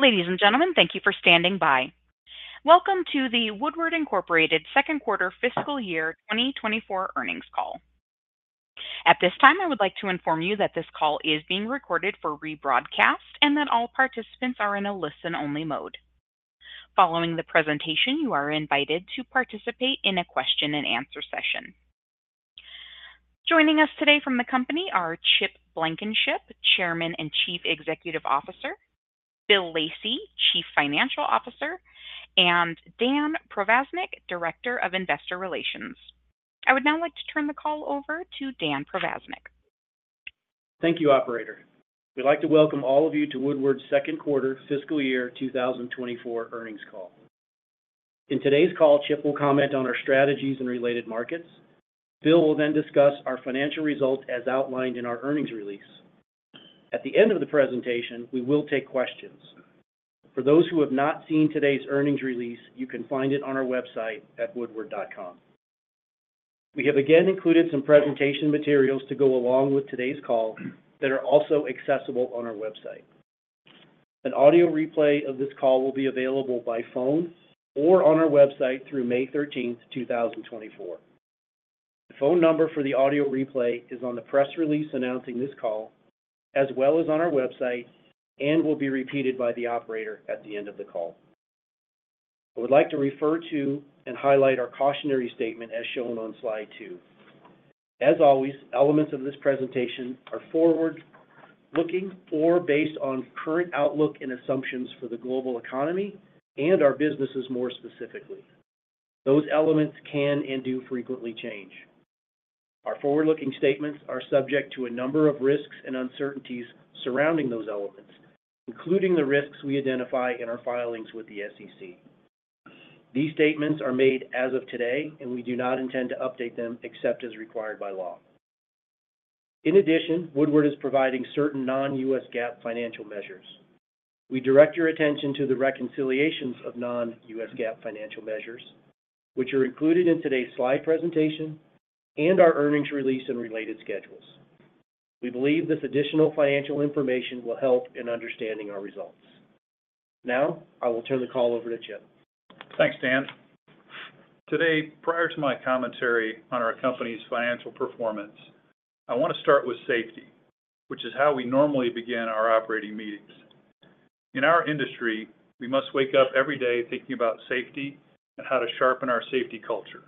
Ladies and gentlemen, thank you for standing by. Welcome to the Woodward, Inc. second quarter fiscal year 2024 earnings call. At this time, I would like to inform you that this call is being recorded for rebroadcast and that all participants are in a listen-only mode. Following the presentation, you are invited to participate in a question-and-answer session. Joining us today from the company are Chip Blankenship, Chairman and Chief Executive Officer, Bill Lacey, Chief Financial Officer, and Dan Provaznik, Director of Investor Relations. I would now like to turn the call over to Dan Provaznik. Thank you, Operator. We'd like to welcome all of you to Woodward's second quarter fiscal year 2024 earnings call. In today's call, Chip will comment on our strategies in related markets. Bill will then discuss our financial results as outlined in our earnings release. At the end of the presentation, we will take questions. For those who have not seen today's earnings release, you can find it on our website at woodward.com. We have again included some presentation materials to go along with today's call that are also accessible on our website. An audio replay of this call will be available by phone or on our website through May 13th, 2024. The phone number for the audio replay is on the press release announcing this call, as well as on our website, and will be repeated by the Operator at the end of the call. I would like to refer to and highlight our cautionary statement as shown on slide 2. As always, elements of this presentation are forward-looking or based on current outlook and assumptions for the global economy and our businesses more specifically. Those elements can and do frequently change. Our forward-looking statements are subject to a number of risks and uncertainties surrounding those elements, including the risks we identify in our filings with the SEC. These statements are made as of today, and we do not intend to update them except as required by law. In addition, Woodward is providing certain non-GAAP financial measures. We direct your attention to the reconciliations of non-GAAP financial measures, which are included in today's slide presentation, and our earnings release and related schedules. We believe this additional financial information will help in understanding our results. Now, I will turn the call over to Chip. Thanks, Dan. Today, prior to my commentary on our company's financial performance, I want to start with safety, which is how we normally begin our operating meetings. In our industry, we must wake up every day thinking about safety and how to sharpen our safety culture.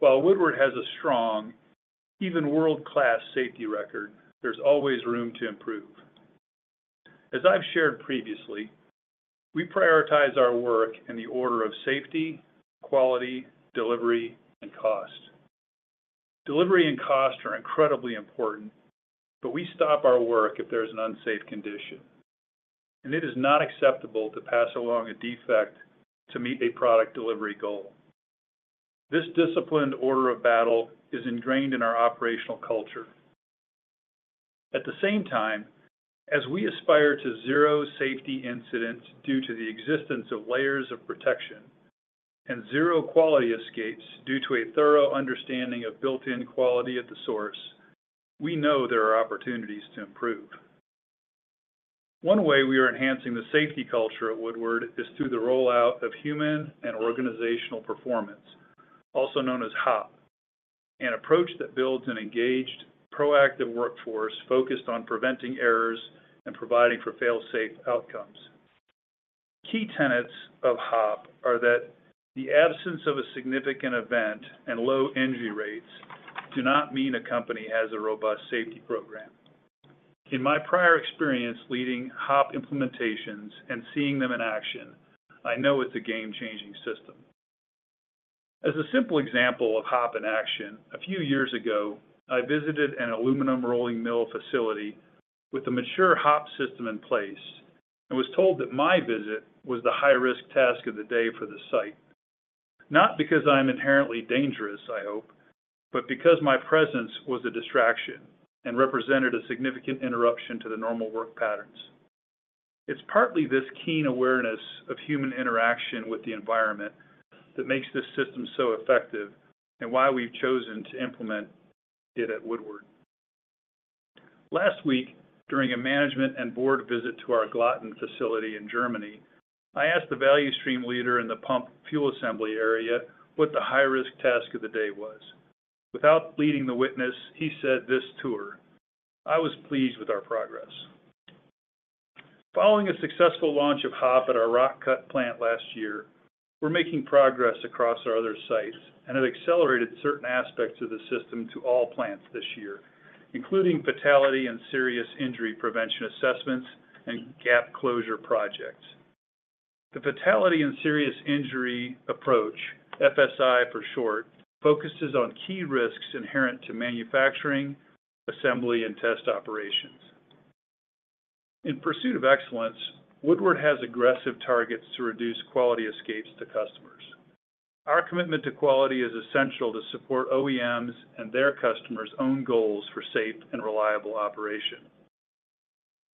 While Woodward has a strong, even world-class safety record, there's always room to improve. As I've shared previously, we prioritize our work in the order of safety, quality, delivery, and cost. Delivery and cost are incredibly important, but we stop our work if there's an unsafe condition, and it is not acceptable to pass along a defect to meet a product delivery goal. This disciplined order of battle is ingrained in our operational culture. At the same time, as we aspire to zero safety incidents due to the existence of layers of protection and zero quality escapes due to a thorough understanding of built-in quality at the source, we know there are opportunities to improve. One way we are enhancing the safety culture at Woodward is through the rollout of human and organizational performance, also known as HOP, an approach that builds an engaged, proactive workforce focused on preventing errors and providing for fail-safe outcomes. Key tenets of HOP are that the absence of a significant event and low injury rates do not mean a company has a robust safety program. In my prior experience leading HOP implementations and seeing them in action, I know it's a game-changing system. As a simple example of HOP in action, a few years ago, I visited an aluminum rolling mill facility with a mature HOP system in place and was told that my visit was the high-risk task of the day for the site. Not because I'm inherently dangerous, I hope, but because my presence was a distraction and represented a significant interruption to the normal work patterns. It's partly this keen awareness of human interaction with the environment that makes this system so effective and why we've chosen to implement it at Woodward. Last week, during a management and board visit to our Glatten facility in Germany, I asked the value stream leader in the pump fuel assembly area what the high-risk task of the day was. Without leading the witness, he said this tour: "I was pleased with our progress." Following a successful launch of HOP at our Rock Cut plant last year, we're making progress across our other sites, and it accelerated certain aspects of the system to all plants this year, including fatality and serious injury prevention assessments and gap closure projects. The fatality and serious injury approach, FSI for short, focuses on key risks inherent to manufacturing, assembly, and test operations. In pursuit of excellence, Woodward has aggressive targets to reduce quality escapes to customers. Our commitment to quality is essential to support OEMs and their customers' own goals for safe and reliable operation.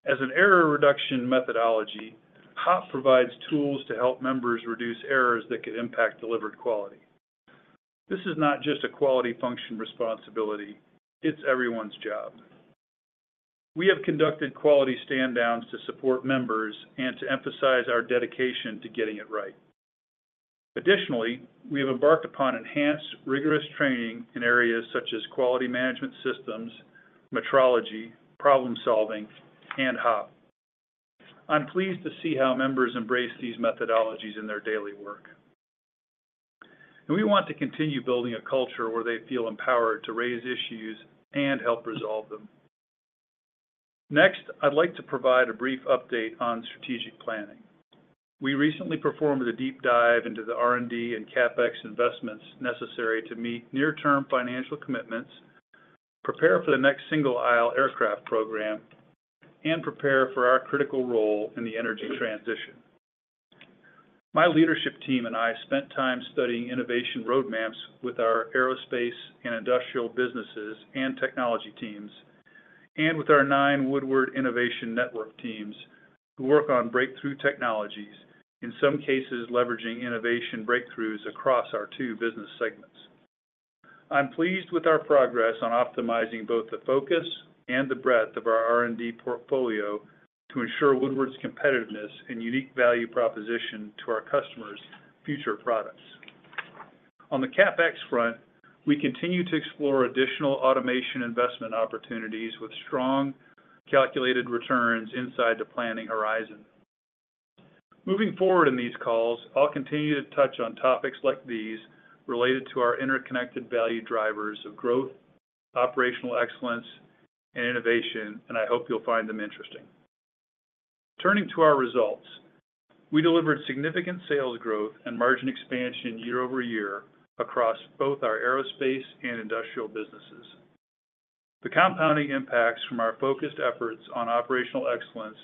As an error reduction methodology, HOP provides tools to help members reduce errors that could impact delivered quality. This is not just a quality function responsibility. It's everyone's job. We have conducted quality stand-downs to support members and to emphasize our dedication to getting it right. Additionally, we have embarked upon enhanced, rigorous training in areas such as quality management systems, metrology, problem-solving, and HOP. I'm pleased to see how members embrace these methodologies in their daily work, and we want to continue building a culture where they feel empowered to raise issues and help resolve them. Next, I'd like to provide a brief update on strategic planning. We recently performed a deep dive into the R&D and CapEx investments necessary to meet near-term financial commitments, prepare for the next single aisle aircraft program, and prepare for our critical role in the energy transition. My leadership team and I spent time studying innovation roadmaps with our aerospace and industrial businesses and technology teams and with our nine Woodward Innovation Network teams who work on breakthrough technologies, in some cases leveraging innovation breakthroughs across our two business segments. I'm pleased with our progress on optimizing both the focus and the breadth of our R&D portfolio to ensure Woodward's competitiveness and unique value proposition to our customers' future products. On the CapEx front, we continue to explore additional automation investment opportunities with strong, calculated returns inside the planning horizon. Moving forward in these calls, I'll continue to touch on topics like these related to our interconnected value drivers of growth, operational excellence, and innovation, and I hope you'll find them interesting. Turning to our results, we delivered significant sales growth and margin expansion year-over-year across both our aerospace and industrial businesses. The compounding impacts from our focused efforts on operational excellence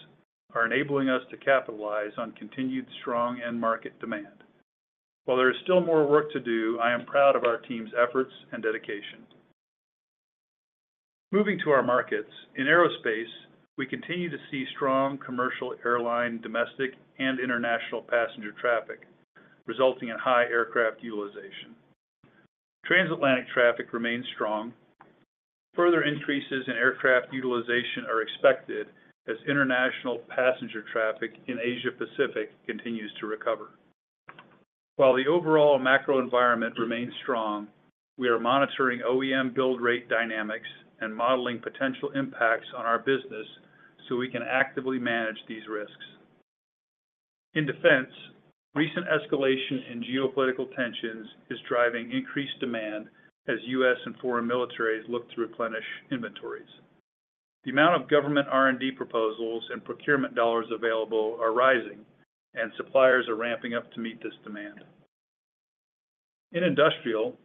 are enabling us to capitalize on continued strong end-market demand. While there is still more work to do, I am proud of our team's efforts and dedication. Moving to our markets, in aerospace, we continue to see strong commercial, airline, domestic, and international passenger traffic, resulting in high aircraft utilization. Transatlantic traffic remains strong. Further increases in aircraft utilization are expected as international passenger traffic in Asia-Pacific continues to recover. While the overall macro environment remains strong, we are monitoring OEM build-rate dynamics and modeling potential impacts on our business so we can actively manage these risks. In defense, recent escalation in geopolitical tensions is driving increased demand as U.S. and foreign militaries look to replenish inventories. The amount of government R&D proposals and procurement dollars available are rising, and suppliers are ramping up to meet this demand. In industrial,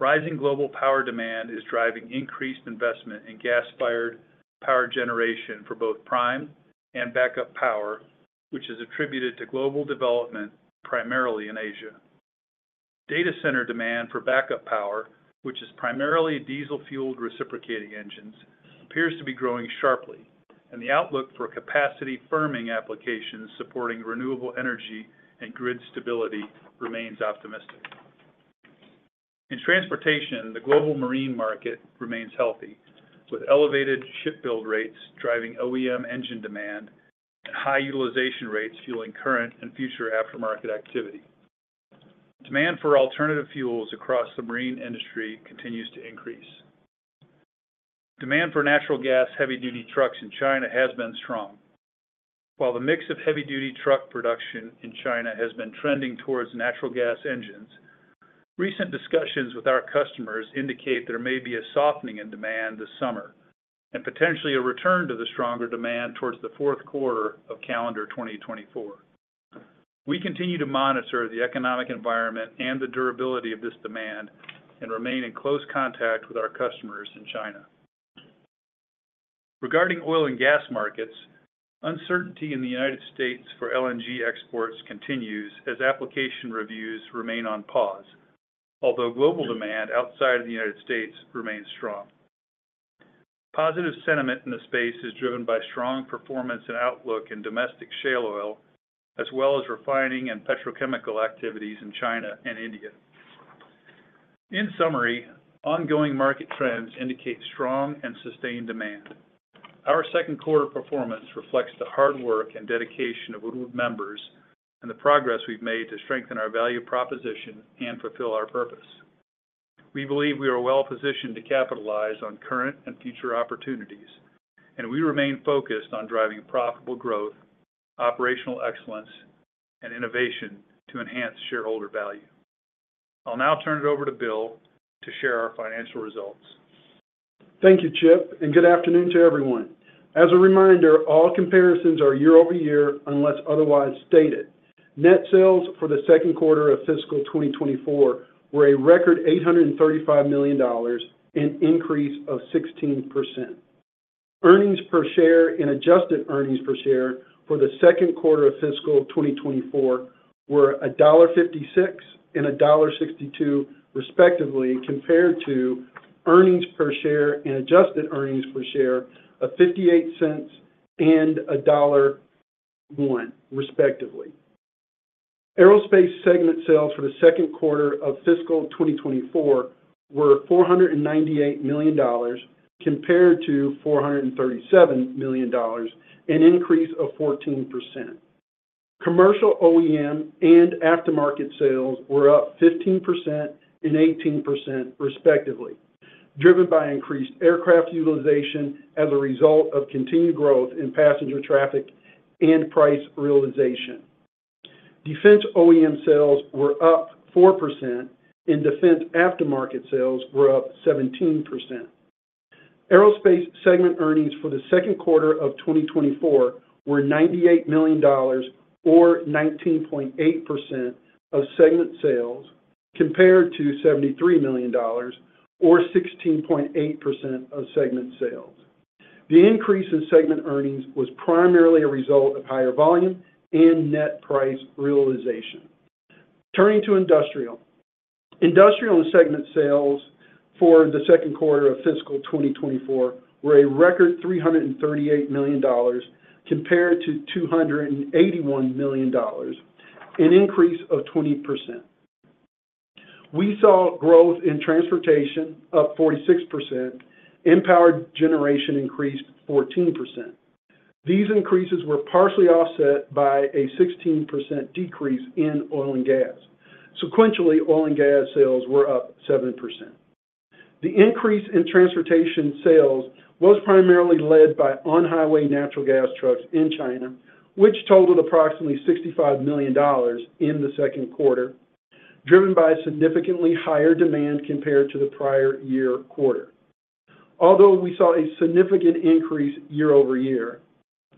rising global power demand is driving increased investment in gas-fired power generation for both prime and backup power, which is attributed to global development primarily in Asia. Data center demand for backup power, which is primarily diesel-fueled reciprocating engines, appears to be growing sharply, and the outlook for capacity-firming applications supporting renewable energy and grid stability remains optimistic. In transportation, the global marine market remains healthy, with elevated shipbuild rates driving OEM engine demand and high utilization rates fueling current and future aftermarket activity. Demand for alternative fuels across the marine industry continues to increase. Demand for natural gas heavy-duty trucks in China has been strong. While the mix of heavy-duty truck production in China has been trending towards natural gas engines, recent discussions with our customers indicate there may be a softening in demand this summer and potentially a return to the stronger demand towards the fourth quarter of calendar 2024. We continue to monitor the economic environment and the durability of this demand and remain in close contact with our customers in China. Regarding oil and gas markets, uncertainty in the United States for LNG exports continues as application reviews remain on pause, although global demand outside of the United States remains strong. Positive sentiment in the space is driven by strong performance and outlook in domestic shale oil, as well as refining and petrochemical activities in China and India. In summary, ongoing market trends indicate strong and sustained demand. Our second quarter performance reflects the hard work and dedication of Woodward members and the progress we've made to strengthen our value proposition and fulfill our purpose. We believe we are well-positioned to capitalize on current and future opportunities, and we remain focused on driving profitable growth, operational excellence, and innovation to enhance shareholder value. I'll now turn it over to Bill to share our financial results. Thank you, Chip, and good afternoon to everyone. As a reminder, all comparisons are year-over-year unless otherwise stated. Net sales for the second quarter of fiscal 2024 were a record $835 million, an increase of 16%. Earnings per share and adjusted earnings per share for the second quarter of fiscal 2024 were $1.56 and $1.62, respectively, compared to earnings per share and adjusted earnings per share of $0.58 and $1.01, respectively. Aerospace segment sales for the second quarter of fiscal 2024 were $498 million, compared to $437 million, an increase of 14%. Commercial OEM and aftermarket sales were up 15% and 18%, respectively, driven by increased aircraft utilization as a result of continued growth in passenger traffic and price realization. Defense OEM sales were up 4%, and defense aftermarket sales were up 17%. Aerospace segment earnings for the second quarter of 2024 were $98 million, or 19.8%, of segment sales, compared to $73 million, or 16.8%, of segment sales. The increase in segment earnings was primarily a result of higher volume and net price realization. Turning to industrial segment sales for the second quarter of fiscal 2024 were a record $338 million, compared to $281 million, an increase of 20%. We saw growth in transportation up 46%, and power generation increased 14%. These increases were partially offset by a 16% decrease in oil and gas. Sequentially, oil and gas sales were up 7%. The increase in transportation sales was primarily led by on-highway natural gas trucks in China, which totaled approximately $65 million in the second quarter, driven by significantly higher demand compared to the prior year quarter. Although we saw a significant increase year-over-year,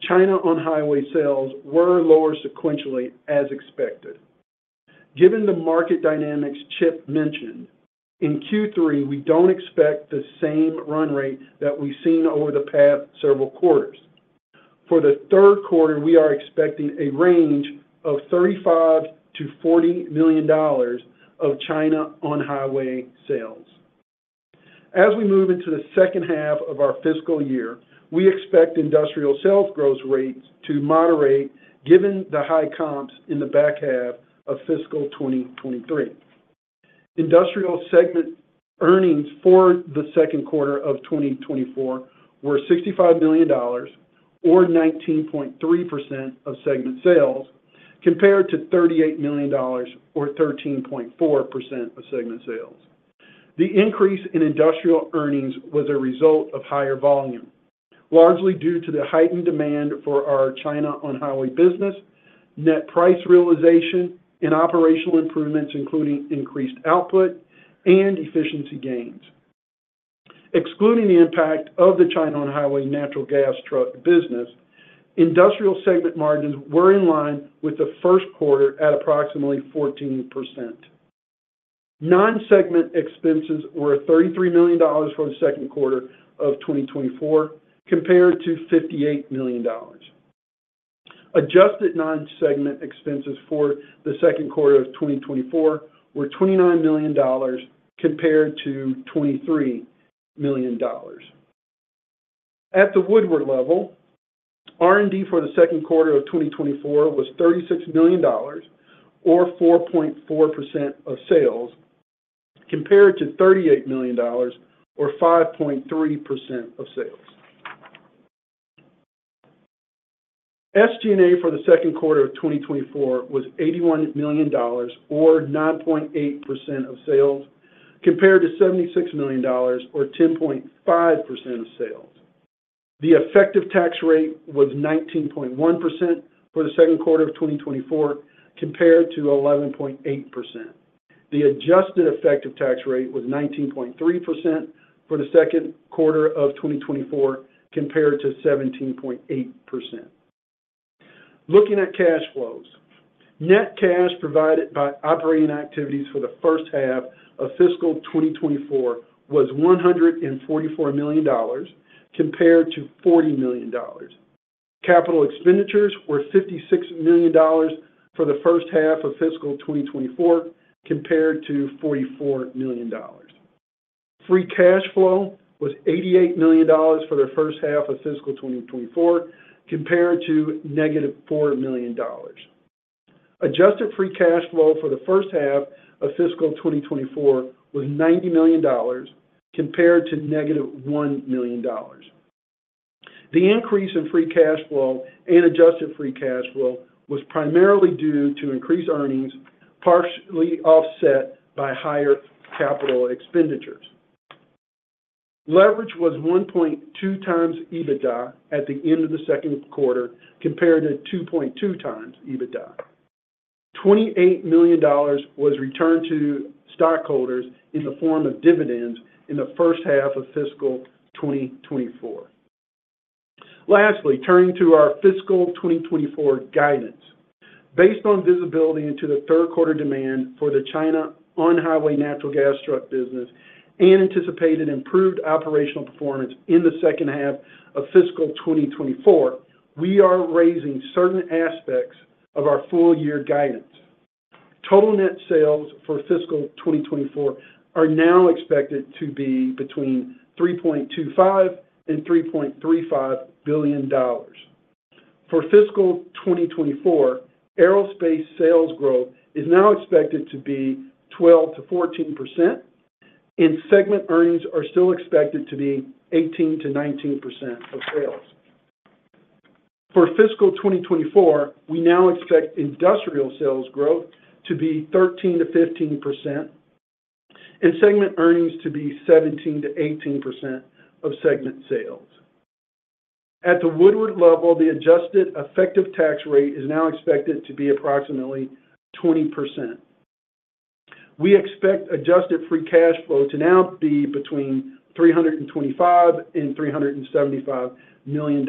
China on-highway sales were lower sequentially, as expected. Given the market dynamics Chip mentioned, in Q3 we don't expect the same run rate that we've seen over the past several quarters. For the third quarter, we are expecting a range of $35-$40 million of China on-highway sales. As we move into the second half of our fiscal year, we expect industrial sales growth rates to moderate given the high comps in the back half of fiscal 2023. Industrial segment earnings for the second quarter of 2024 were $65 million, or 19.3%, of segment sales, compared to $38 million, or 13.4%, of segment sales. The increase in industrial earnings was a result of higher volume, largely due to the heightened demand for our China on-highway business, net price realization, and operational improvements, including increased output and efficiency gains. Excluding the impact of the China on-highway natural gas truck business, industrial segment margins were in line with the first quarter at approximately 14%. Non-segment expenses were $33 million for the second quarter of 2024, compared to $58 million. Adjusted non-segment expenses for the second quarter of 2024 were $29 million, compared to $23 million. At the Woodward level, R&D for the second quarter of 2024 was $36 million, or 4.4%, of sales, compared to $38 million, or 5.3%, of sales. SG&A for the second quarter of 2024 was $81 million, or 9.8%, of sales, compared to $76 million, or 10.5%, of sales. The effective tax rate was 19.1% for the second quarter of 2024, compared to 11.8%. The adjusted effective tax rate was 19.3% for the second quarter of 2024, compared to 17.8%. Looking at cash flows, net cash provided by operating activities for the first half of fiscal 2024 was $144 million, compared to $40 million. Capital expenditures were $56 million for the first half of fiscal 2024, compared to $44 million. Free cash flow was $88 million for the first half of fiscal 2024, compared to -$4 million. Adjusted free cash flow for the first half of fiscal 2024 was $90 million, compared to -$1 million. The increase in free cash flow and adjusted free cash flow was primarily due to increased earnings, partially offset by higher capital expenditures. Leverage was 1.2x EBITDA at the end of the second quarter, compared to 2.2x EBITDA. $28 million was returned to stockholders in the form of dividends in the first half of fiscal 2024. Lastly, turning to our fiscal 2024 guidance. Based on visibility into the third quarter demand for the China on-highway natural gas truck business and anticipated improved operational performance in the second half of fiscal 2024, we are raising certain aspects of our full-year guidance. Total net sales for fiscal 2024 are now expected to be between $3.25-$3.35 billion. For fiscal 2024, aerospace sales growth is now expected to be 12%-14%, and segment earnings are still expected to be 18%-19% of sales. For fiscal 2024, we now expect industrial sales growth to be 13%-15%, and segment earnings to be 17%-18% of segment sales. At the Woodward level, the adjusted effective tax rate is now expected to be approximately 20%. We expect adjusted free cash flow to now be between $325-$375 million.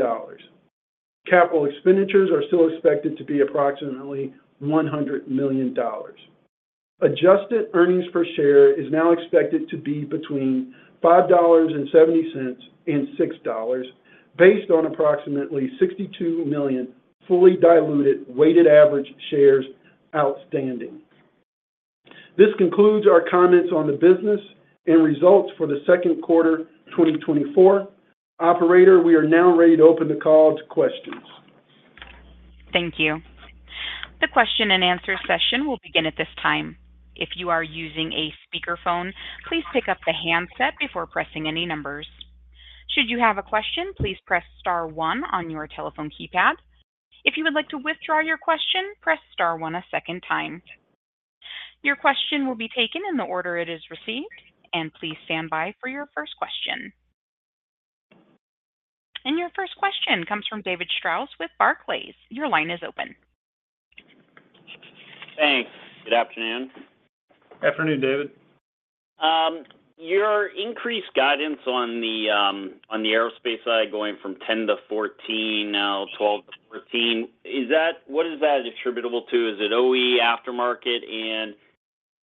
Capital expenditures are still expected to be approximately $100 million. Adjusted earnings per share is now expected to be between $5.70-$6, based on approximately 62 million fully diluted weighted average shares outstanding. This concludes our comments on the business and results for the second quarter 2024. Operator, we are now ready to open the call to questions. Thank you. The question and answer session will begin at this time. If you are using a speakerphone, please pick up the handset before pressing any numbers. Should you have a question, please press star 1 on your telephone keypad. If you would like to withdraw your question, press star 1 a second time. Your question will be taken in the order it is received, and please stand by for your first question. Your first question comes from David Strauss with Barclays. Your line is open. Thanks. Good afternoon. Afternoon, David. Your increased guidance on the aerospace side going from 10-14, now 12-14, what is that attributable to? Is it OE, aftermarket? And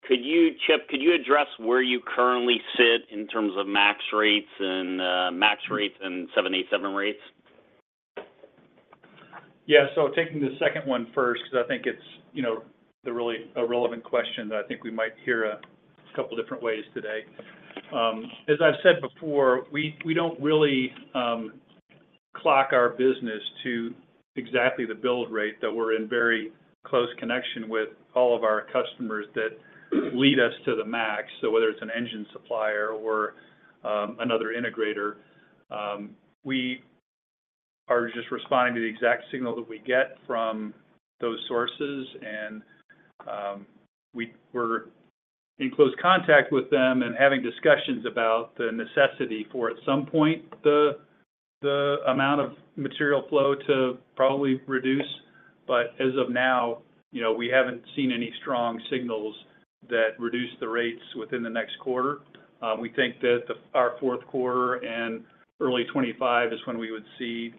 could you, Chip, could you address where you currently sit in terms of MAX rates and 787 rates? Yeah. So taking the second one first because I think it's a relevant question that I think we might hear a couple of different ways today. As I've said before, we don't really clock our business to exactly the build rate that we're in very close connection with all of our customers that lead us to the MAX. So whether it's an engine supplier or another integrator, we are just responding to the exact signal that we get from those sources. And we're in close contact with them and having discussions about the necessity for, at some point, the amount of material flow to probably reduce. But as of now, we haven't seen any strong signals that reduce the rates within the next quarter. We think that our fourth quarter and early 2025 is when we would see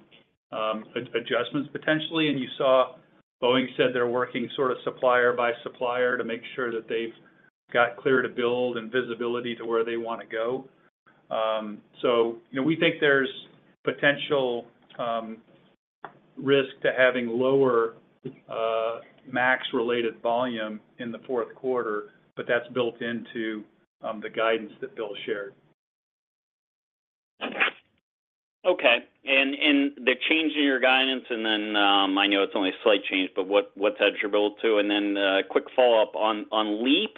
adjustments, potentially. You saw Boeing said they're working sort of supplier by supplier to make sure that they've got clear to build and visibility to where they want to go. We think there's potential risk to having lower MAX-related volume in the fourth quarter, but that's built into the guidance that Bill shared. Okay. The change in your guidance, and then I know it's only a slight change, but what's that attributable to? Then a quick follow-up on LEAP.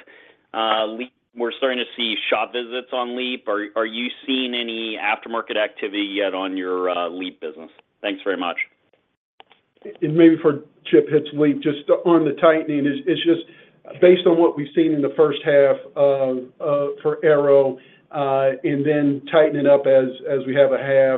We're starting to see shop visits on LEAP. Are you seeing any aftermarket activity yet on your LEAP business? Thanks very much. And maybe before Chip hits LEAP, just on the tightening, it's just based on what we've seen in the first half for aero and then tightening up as we have a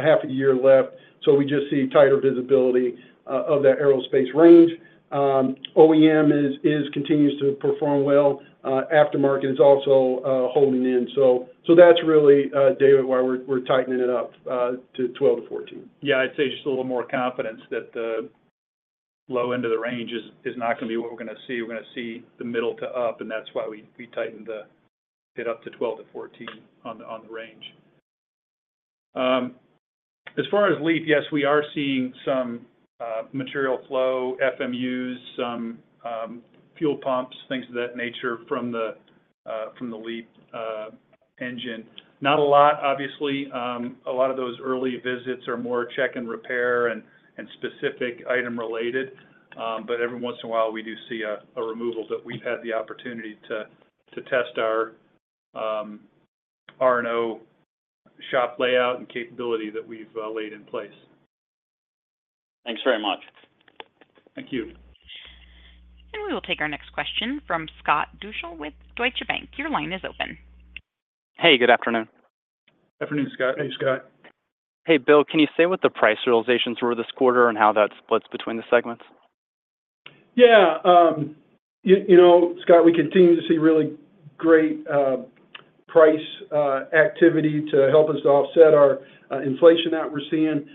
half a year left. So we just see tighter visibility of that aerospace range. OEM continues to perform well. Aftermarket is also holding in. So that's really, David, why we're tightening it up to 12-14. Yeah. I'd say just a little more confidence that the low end of the range is not going to be what we're going to see. We're going to see the middle to up, and that's why we tightened it up to 12-14 on the range. As far as LEAP, yes, we are seeing some material flow, FMUs, some fuel pumps, things of that nature from the LEAP engine. Not a lot, obviously. A lot of those early visits are more check and repair and specific item-related. But every once in a while, we do see a removal that we've had the opportunity to test our R&O shop layout and capability that we've laid in place. Thanks very much. Thank you. We will take our next question from Scott Deuschle with Deutsche Bank. Your line is open. Hey. Good afternoon. Afternoon, Scott. Hey, Scott. Hey, Bill. Can you say what the price realizations were this quarter and how that splits between the segments? Yeah. Scott, we continue to see really great price activity to help us offset our inflation that we're seeing.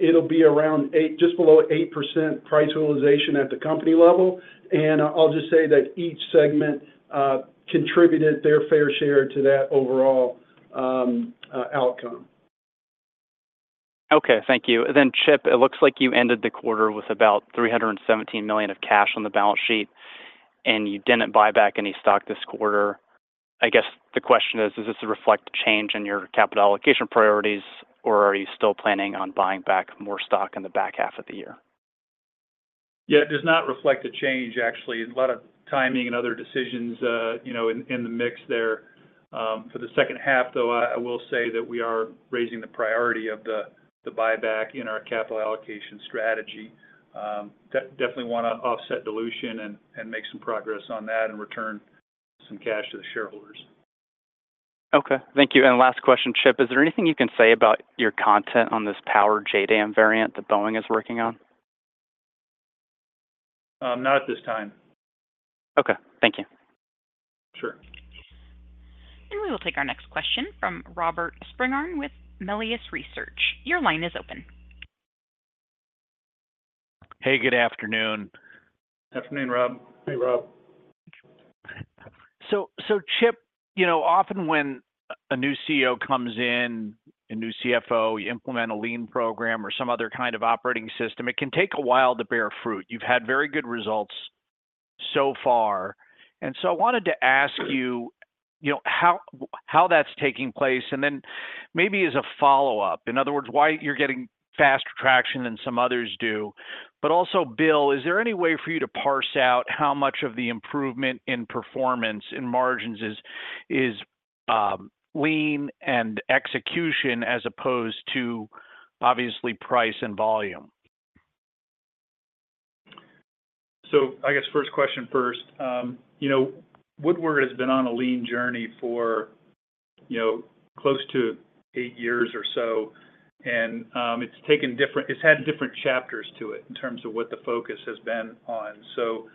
It'll be around just below 8% price realization at the company level. And I'll just say that each segment contributed their fair share to that overall outcome. Okay. Thank you. Then, Chip, it looks like you ended the quarter with about $317 million of cash on the balance sheet, and you didn't buy back any stock this quarter. I guess the question is, does this reflect a change in your capital allocation priorities, or are you still planning on buying back more stock in the back half of the year? Yeah. It does not reflect a change, actually. A lot of timing and other decisions in the mix there. For the second half, though, I will say that we are raising the priority of the buyback in our capital allocation strategy. Definitely want to offset dilution and make some progress on that and return some cash to the shareholders. Okay. Thank you. And last question, Chip. Is there anything you can say about your content on this Powered JDAM variant that Boeing is working on? Not at this time. Okay. Thank you. Sure. We will take our next question from Robert Spingarn with Melius Research. Your line is open. Hey. Good afternoon. Afternoon, Rob. Hey, Rob. So, Chip, often when a new CEO comes in, a new CFO, you implement a lean program or some other kind of operating system, it can take a while to bear fruit. You've had very good results so far. And so I wanted to ask you how that's taking place. And then maybe as a follow-up, in other words, why you're getting faster traction than some others do. But also, Bill, is there any way for you to parse out how much of the improvement in performance and margins is lean and execution as opposed to, obviously, price and volume? So I guess first question first. Woodward has been on a lean journey for close to eight years or so, and it's taken different it's had different chapters to it in terms of what the focus has been on. So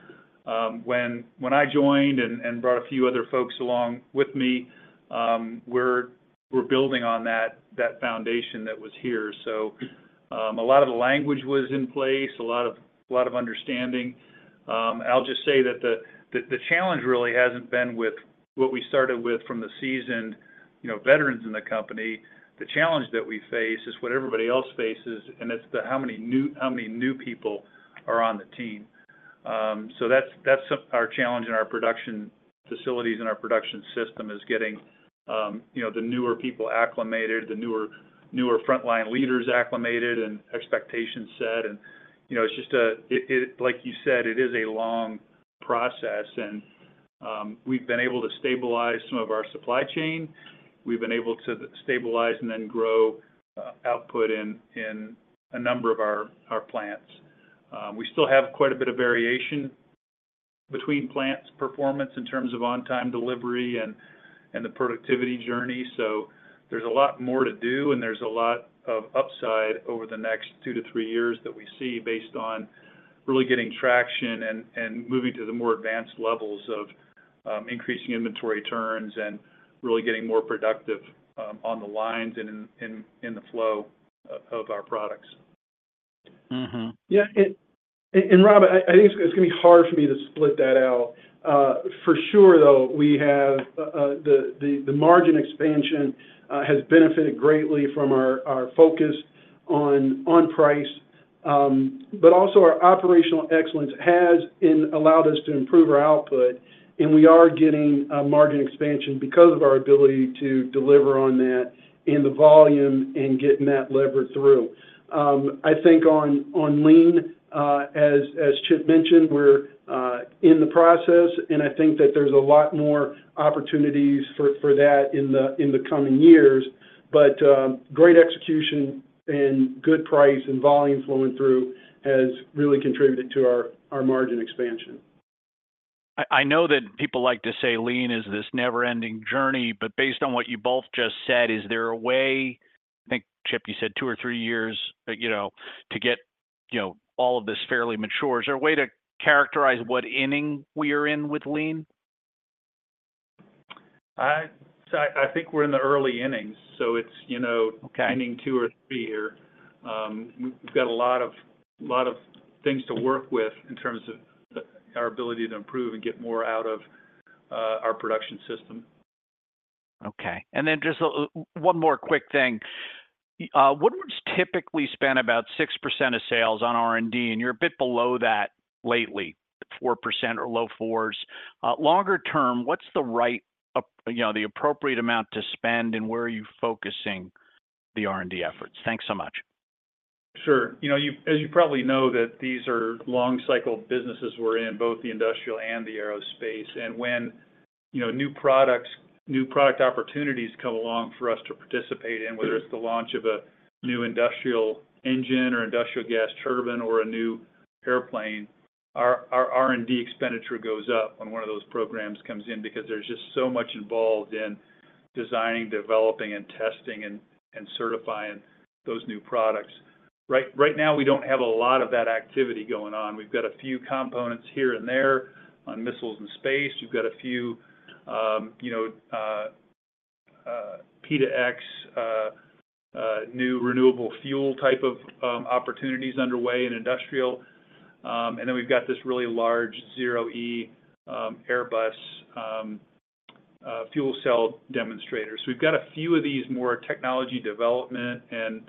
when I joined and brought a few other folks along with me, we're building on that foundation that was here. So a lot of the language was in place, a lot of understanding. I'll just say that the challenge really hasn't been with what we started with from the seasoned veterans in the company. The challenge that we face is what everybody else faces, and it's how many new people are on the team. So that's our challenge in our production facilities and our production system is getting the newer people acclimated, the newer frontline leaders acclimated, and expectations set. It's just like you said, it is a long process. We've been able to stabilize some of our supply chain. We've been able to stabilize and then grow output in a number of our plants. We still have quite a bit of variation between plants' performance in terms of on-time delivery and the productivity journey. So there's a lot more to do, and there's a lot of upside over the next 2-3 years that we see based on really getting traction and moving to the more advanced levels of increasing inventory turns and really getting more productive on the lines and in the flow of our products. Yeah. And, Rob, I think it's going to be hard for me to split that out. For sure, though, we have the margin expansion has benefited greatly from our focus on price. But also, our operational excellence has allowed us to improve our output, and we are getting margin expansion because of our ability to deliver on that and the volume and getting that levered through. I think on lean, as Chip mentioned, we're in the process, and I think that there's a lot more opportunities for that in the coming years. But great execution and good price and volume flowing through has really contributed to our margin expansion. I know that people like to say lean is this never-ending journey, but based on what you both just said, is there a way, I think, Chip, you said 2 or 3 years to get all of this fairly mature? Is there a way to characterize what inning we are in with lean? So I think we're in the early innings, so it's inning two or three here. We've got a lot of things to work with in terms of our ability to improve and get more out of our production system. Okay. Just one more quick thing. Woodward's typically spend about 6% of sales on R&D, and you're a bit below that lately, 4% or low fours. Longer term, what's the appropriate amount to spend, and where are you focusing the R&D efforts? Thanks so much. Sure. As you probably know, these are long-cycle businesses we're in, both the industrial and the aerospace. And when new product opportunities come along for us to participate in, whether it's the launch of a new industrial engine or industrial gas turbine or a new airplane, our R&D expenditure goes up when one of those programs comes in because there's just so much involved in designing, developing, and testing, and certifying those new products. Right now, we don't have a lot of that activity going on. We've got a few components here and there on missiles and space. We've got a few P2X new renewable fuel type of opportunities underway in industrial. And then we've got this really large ZEROe Airbus fuel cell demonstrator. So we've got a few of these more technology development and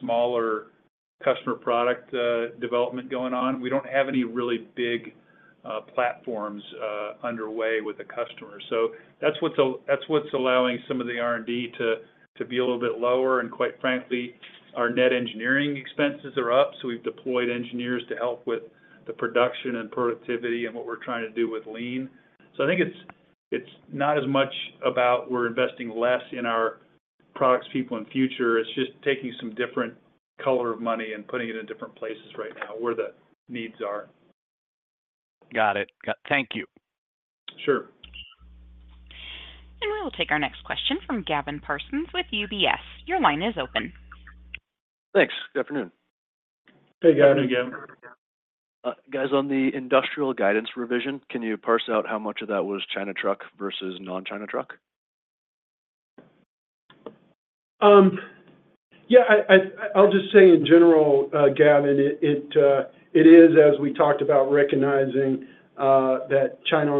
smaller customer product development going on. We don't have any really big platforms underway with a customer. So that's what's allowing some of the R&D to be a little bit lower. And quite frankly, our net engineering expenses are up, so we've deployed engineers to help with the production and productivity and what we're trying to do with lean. So I think it's not as much about we're investing less in our products, people, and future. It's just taking some different color of money and putting it in different places right now where the needs are. Got it. Thank you. Sure. We will take our next question from Gavin Parsons with UBS. Your line is open. Thanks. Good afternoon. Hey, Gavin. Good afternoon, Gavin. Guys, on the industrial guidance revision, can you parse out how much of that was China truck versus non-China truck? Yeah. I'll just say, in general, Gavin, it is, as we talked about, recognizing that China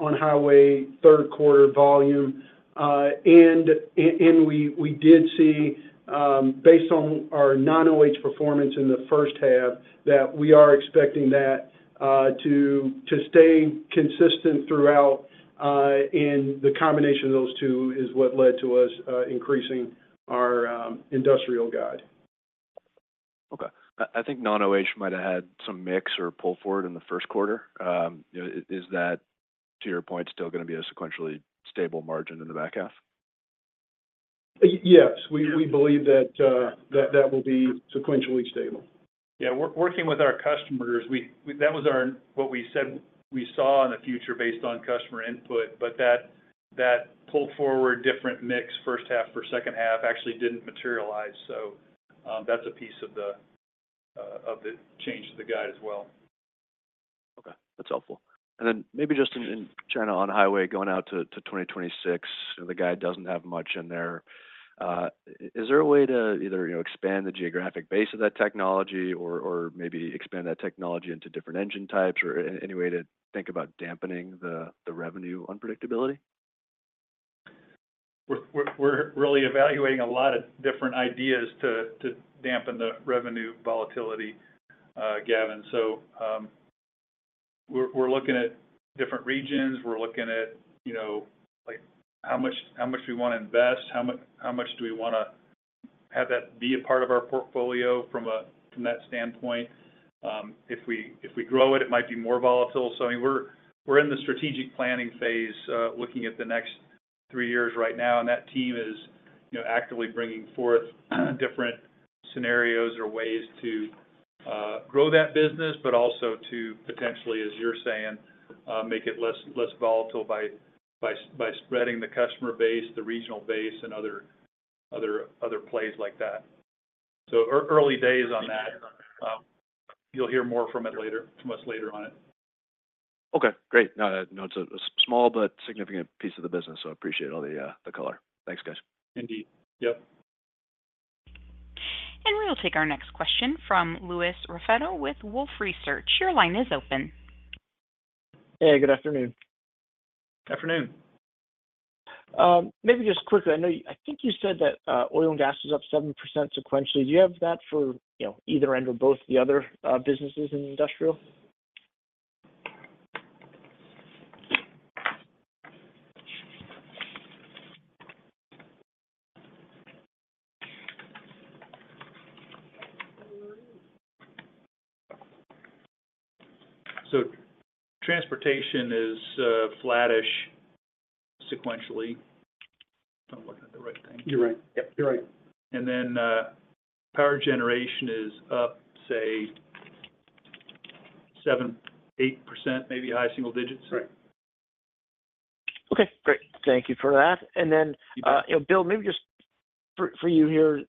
on-highway third-quarter volume. And we did see, based on our non-OH performance in the first half, that we are expecting that to stay consistent throughout. And the combination of those two is what led to us increasing our industrial guide. Okay. I think non-OH might have had some mix or pull forward in the first quarter. Is that, to your point, still going to be a sequentially stable margin in the back half? Yes. We believe that that will be sequentially stable. Yeah. Working with our customers, that was what we said we saw in the future based on customer input. But that pull forward different mix first half for second half actually didn't materialize. So that's a piece of the change to the guide as well. Okay. That's helpful. And then maybe just in China on-highway going out to 2026, the guide doesn't have much in there. Is there a way to either expand the geographic base of that technology or maybe expand that technology into different engine types or any way to think about dampening the revenue unpredictability? We're really evaluating a lot of different ideas to dampen the revenue volatility, Gavin. So we're looking at different regions. We're looking at how much we want to invest. How much do we want to have that be a part of our portfolio from that standpoint? If we grow it, it might be more volatile. So I mean, we're in the strategic planning phase looking at the next three years right now. And that team is actively bringing forth different scenarios or ways to grow that business but also to, potentially, as you're saying, make it less volatile by spreading the customer base, the regional base, and other plays like that. So early days on that. You'll hear more from us later on it. Okay. Great. No, it's a small but significant piece of the business, so I appreciate all the color. Thanks, guys. Indeed. Yep. We will take our next question from Louis Raffetto with Wolfe Research. Your line is open. Hey. Good afternoon. Afternoon. Maybe just quickly, I think you said that oil and gas is up 7% sequentially. Do you have that for either end or both the other businesses in industrial? So transportation is flattish sequentially. I'm not looking at the right thing. You're right. Yep. You're right. Power generation is up, say, 7%-8%, maybe high single digits. Right. Okay. Great. Thank you for that. And then, Bill, maybe just for you here,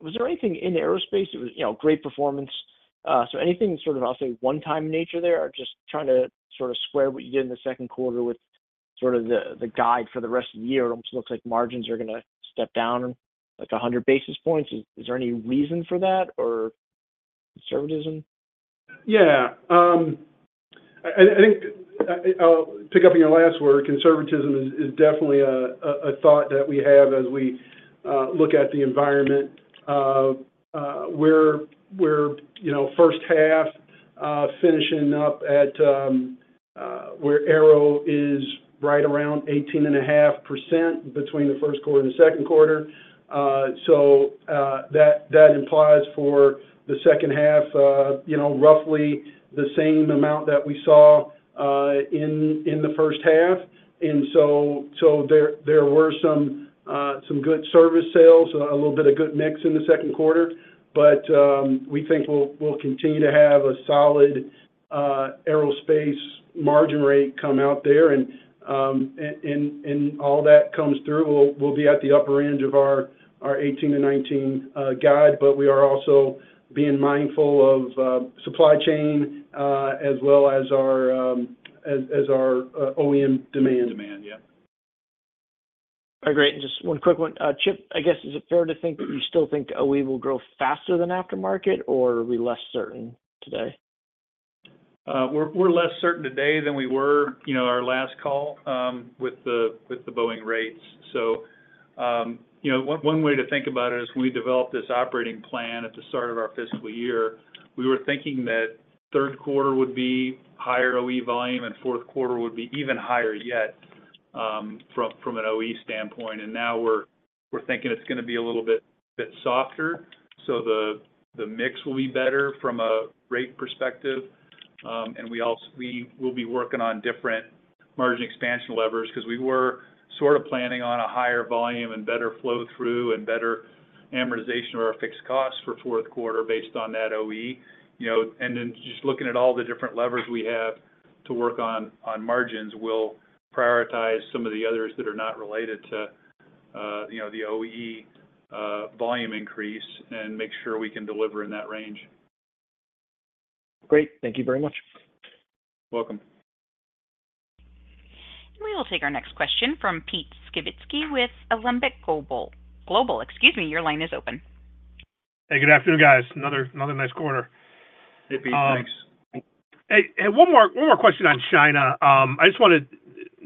was there anything in aerospace that was great performance? So anything sort of, I'll say, one-time nature there or just trying to sort of square what you did in the second quarter with sort of the guide for the rest of the year? It almost looks like margins are going to step down like 100 basis points. Is there any reason for that or conservatism? Yeah. I think I'll pick up on your last word. Conservatism is definitely a thought that we have as we look at the environment. We're first half finishing up at where aero is right around 18.5% between the first quarter and the second quarter. So that implies for the second half roughly the same amount that we saw in the first half. And so there were some good service sales, a little bit of good mix in the second quarter. But we think we'll continue to have a solid aerospace margin rate come out there. And all that comes through, we'll be at the upper end of our 18%-19% guide. But we are also being mindful of supply chain as well as our OEM demand. Demand. Yeah. All right. Great. Just one quick one. Chip, I guess, is it fair to think that you still think OE will grow faster than aftermarket, or are we less certain today? We're less certain today than we were our last call with the Boeing rates. So one way to think about it is when we developed this operating plan at the start of our fiscal year, we were thinking that third quarter would be higher OE volume and fourth quarter would be even higher yet from an OE standpoint. And now we're thinking it's going to be a little bit softer. So the mix will be better from a rate perspective. And we will be working on different margin expansion levers because we were sort of planning on a higher volume and better flow through and better amortization of our fixed costs for fourth quarter based on that OE. And then just looking at all the different levers we have to work on margins, we'll prioritize some of the others that are not related to the OE volume increase and make sure we can deliver in that range. Great. Thank you very much. You're welcome. We will take our next question from Peter Skibitski with Alembic Global. Global, excuse me, your line is open. Hey. Good afternoon, guys. Another nice quarter. Hey, Pete. Thanks. Hey. One more question on China. I just want to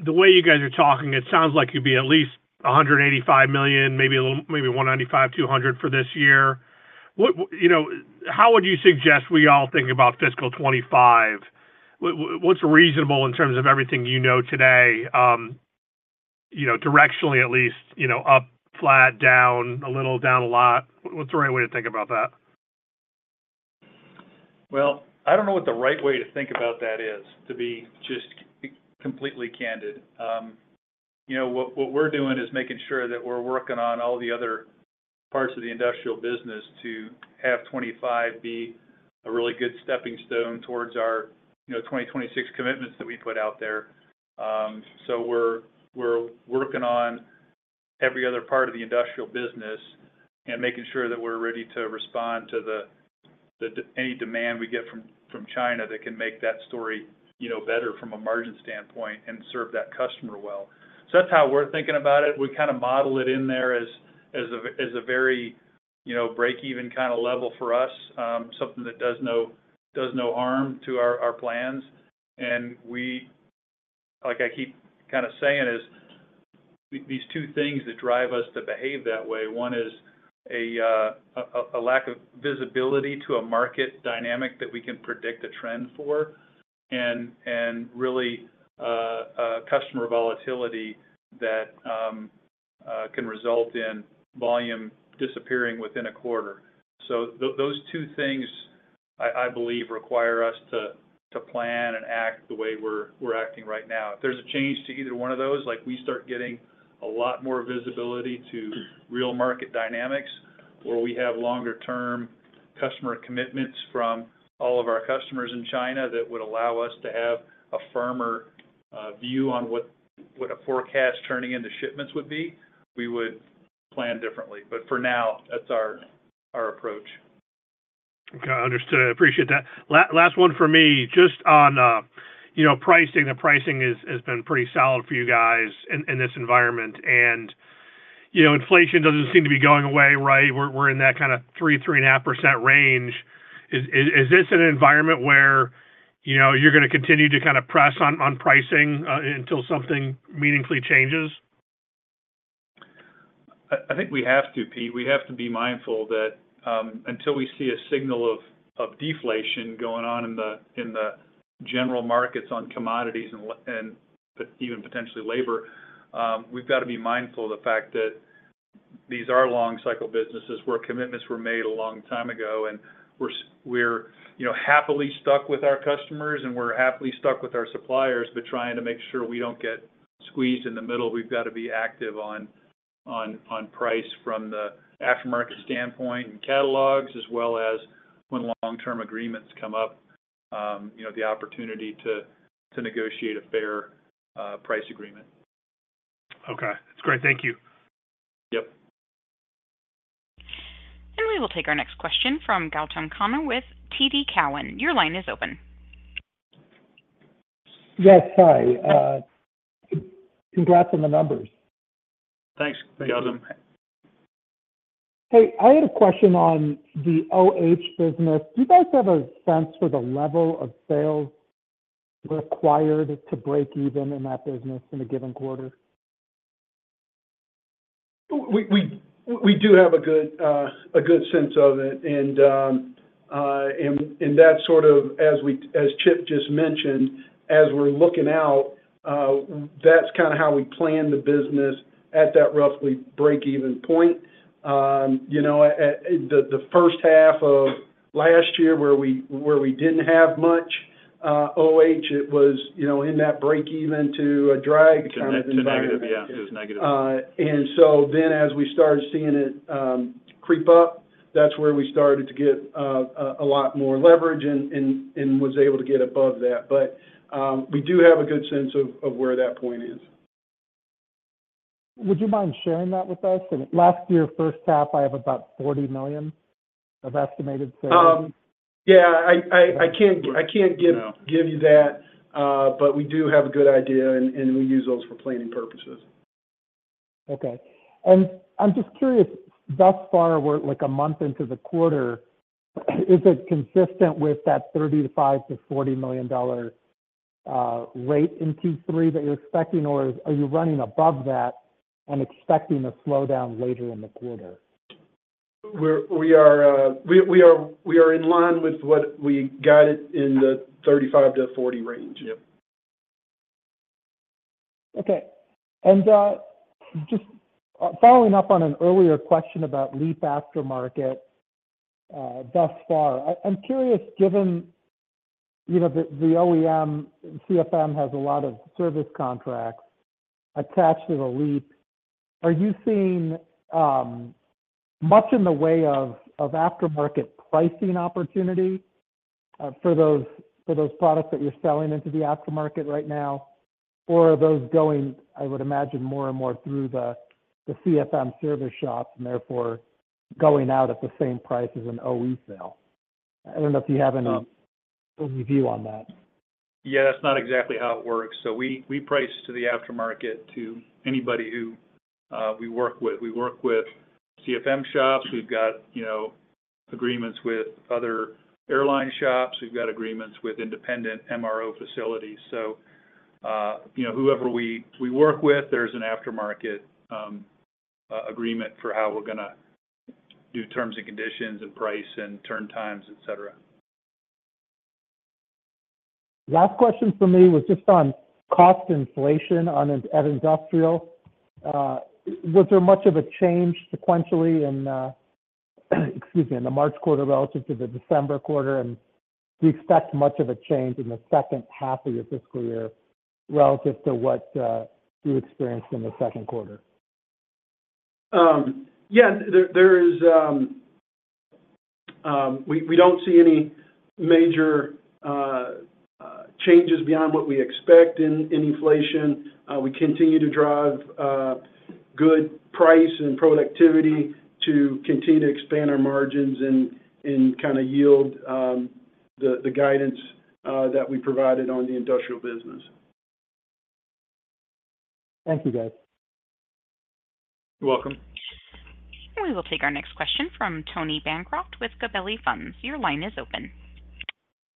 the way you guys are talking, it sounds like you'd be at least $185 million, maybe $195 million, $200 million for this year. How would you suggest we all think about fiscal 2025? What's reasonable in terms of everything you know today, directionally at least, up, flat, down, a little, down a lot? What's the right way to think about that? Well, I don't know what the right way to think about that is, to be just completely candid. What we're doing is making sure that we're working on all the other parts of the industrial business to have 2025 be a really good stepping stone towards our 2026 commitments that we put out there. So we're working on every other part of the industrial business and making sure that we're ready to respond to any demand we get from China that can make that story better from a margin standpoint and serve that customer well. So that's how we're thinking about it. We kind of model it in there as a very break-even kind of level for us, something that does no harm to our plans. Like I keep kind of saying, these two things that drive us to behave that way, one is a lack of visibility to a market dynamic that we can predict a trend for and really customer volatility that can result in volume disappearing within a quarter. So those two things, I believe, require us to plan and act the way we're acting right now. If there's a change to either one of those, we start getting a lot more visibility to real market dynamics where we have longer-term customer commitments from all of our customers in China that would allow us to have a firmer view on what a forecast turning into shipments would be. We would plan differently. But for now, that's our approach. Okay. Understood. I appreciate that. Last one for me, just on pricing. The pricing has been pretty solid for you guys in this environment. Inflation doesn't seem to be going away, right? We're in that kind of 3%-3.5% range. Is this an environment where you're going to continue to kind of press on pricing until something meaningfully changes? I think we have to, Pete. We have to be mindful that until we see a signal of deflation going on in the general markets on commodities and even potentially labor, we've got to be mindful of the fact that these are long-cycle businesses where commitments were made a long time ago. And we're happily stuck with our customers, and we're happily stuck with our suppliers. But trying to make sure we don't get squeezed in the middle, we've got to be active on price from the aftermarket standpoint and catalogs as well as when long-term agreements come up, the opportunity to negotiate a fair price agreement. Okay. That's great. Thank you. Yep. We will take our next question from Gautam Khanna with TD Cowen. Your line is open. Yes. Hi. Congrats on the numbers. Thanks, Gautam. Hey. I had a question on the OH business. Do you guys have a sense for the level of sales required to break even in that business in a given quarter? We do have a good sense of it. That's sort of, as Chip just mentioned, as we're looking out, that's kind of how we plan the business at that roughly break-even point. The first half of last year where we didn't have much OH, it was in that break-even to a drag kind of environment. It was negative. Yeah. It was negative. And so then as we started seeing it creep up, that's where we started to get a lot more leverage and was able to get above that. But we do have a good sense of where that point is. Would you mind sharing that with us? Last year, first half, I have about $40 million of estimated sales. Yeah. I can't give you that. But we do have a good idea, and we use those for planning purposes. Okay. I'm just curious, thus far, we're like a month into the quarter. Is it consistent with that $30 million to $50 million to $40 million rate in Q3 that you're expecting, or are you running above that and expecting a slowdown later in the quarter? We are in line with what we guided in the 35-40 range. Yep. Okay. And just following up on an earlier question about LEAP aftermarket thus far, I'm curious, given the OEM CFM has a lot of service contracts attached to the LEAP, are you seeing much in the way of aftermarket pricing opportunity for those products that you're selling into the aftermarket right now, or are those going, I would imagine, more and more through the CFM service shops and therefore going out at the same price as an OE sale? I don't know if you have any view on that. Yeah. That's not exactly how it works. So we price to the aftermarket to anybody who we work with. We work with CFM shops. We've got agreements with other airline shops. We've got agreements with independent MRO facilities. So whoever we work with, there's an aftermarket agreement for how we're going to do terms and conditions and price and turn times, etc. Last question for me was just on cost inflation at industrial. Was there much of a change sequentially in, excuse me, in the March quarter relative to the December quarter? And do you expect much of a change in the second half of your fiscal year relative to what you experienced in the second quarter? Yeah. We don't see any major changes beyond what we expect in inflation. We continue to drive good price and productivity to continue to expand our margins and kind of yield the guidance that we provided on the industrial business. Thank you, guys. You're welcome. We will take our next question from Tony Bancroft with Gabelli Funds. Your line is open.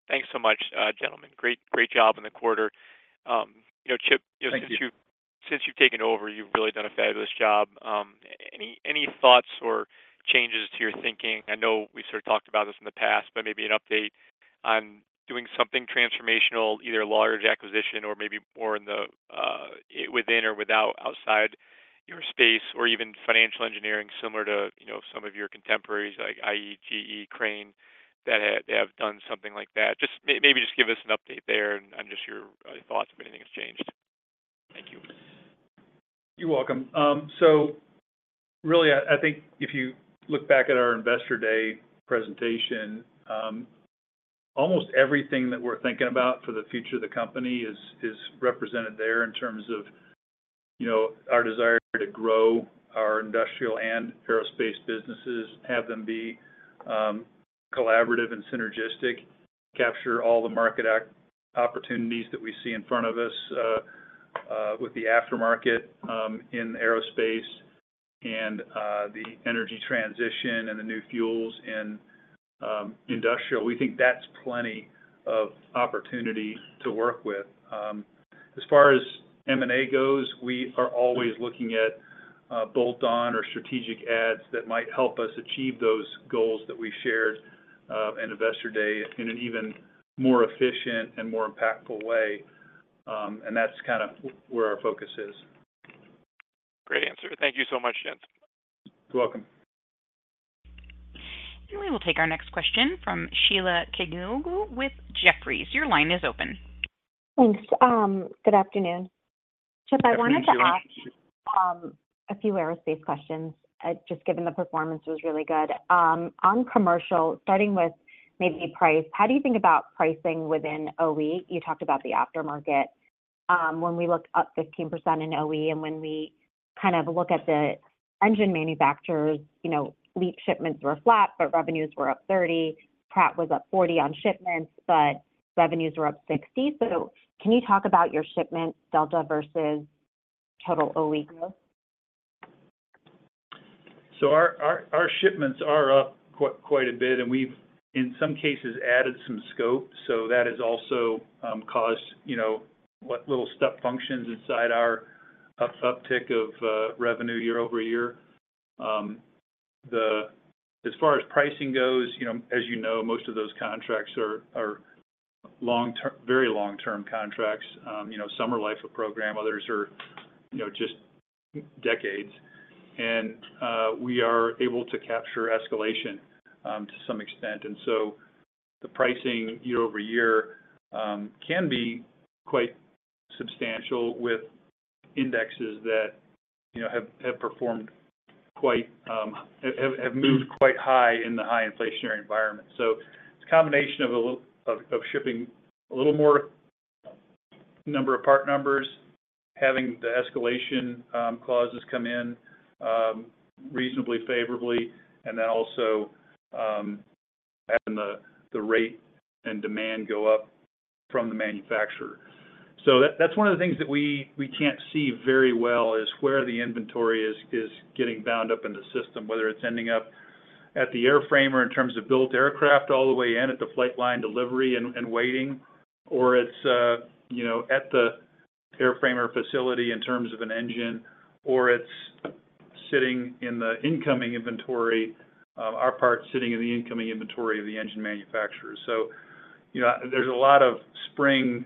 Thanks so much, gentlemen. Great job in the quarter. Chip, since you've taken over, you've really done a fabulous job. Any thoughts or changes to your thinking? I know we've sort of talked about this in the past, but maybe an update on doing something transformational, either a large acquisition or maybe more within or without outside your space or even financial engineering similar to some of your contemporaries like HEICO, Crane, that have done something like that. Maybe just give us an update there and just your thoughts if anything has changed. Thank you. You're welcome. So really, I think if you look back at our Investor Day presentation, almost everything that we're thinking about for the future of the company is represented there in terms of our desire to grow our industrial and aerospace businesses, have them be collaborative and synergistic, capture all the market opportunities that we see in front of us with the aftermarket in aerospace and the energy transition and the new fuels in industrial. We think that's plenty of opportunity to work with. As far as M&A goes, we are always looking at bolt-on or strategic adds that might help us achieve those goals that we shared in Investor Day in an even more efficient and more impactful way. And that's kind of where our focus is. Great answer. Thank you so much, Dan. You're welcome. We will take our next question from Sheila Kahyaoglu with Jefferies. Your line is open. Thanks. Good afternoon. Chip, I wanted to ask a few aerospace questions just given the performance was really good. On commercial, starting with maybe price, how do you think about pricing within OE? You talked about the aftermarket. When we look up 15% in OE and when we kind of look at the engine manufacturers, LEAP shipments were flat, but revenues were up 30%. Pratt was up 40% on shipments, but revenues were up 60%. So can you talk about your shipments, delta versus total OE growth? Our shipments are up quite a bit, and we've, in some cases, added some scope. That has also caused little step functions inside our uptick of revenue year over year. As far as pricing goes, as you know, most of those contracts are very long-term contracts. Some are life of program. Others are just decades. We are able to capture escalation to some extent. The pricing year over year can be quite substantial with indexes that have moved quite high in the high-inflationary environment. It's a combination of shipping a little more number of part numbers, having the escalation clauses come in reasonably favorably, and then also having the rate and demand go up from the manufacturer. So that's one of the things that we can't see very well is where the inventory is getting bound up in the system, whether it's ending up at the airframer in terms of built aircraft all the way in at the flight line delivery and waiting, or it's at the airframer facility in terms of an engine, or it's sitting in the incoming inventory, our part sitting in the incoming inventory of the engine manufacturers. So there's a lot of spring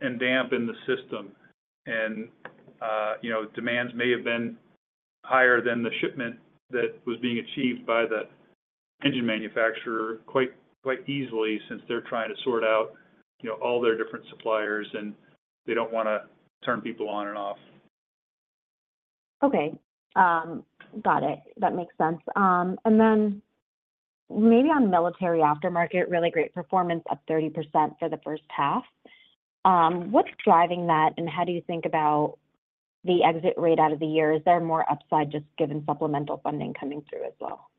and damp in the system. Demands may have been higher than the shipment that was being achieved by the engine manufacturer quite easily since they're trying to sort out all their different suppliers, and they don't want to turn people on and off. Okay. Got it. That makes sense. And then maybe on military aftermarket, really great performance at 30% for the first half. What's driving that, and how do you think about the exit rate out of the year? Is there more upside just given supplemental funding coming through as well?